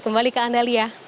kembali ke anda lia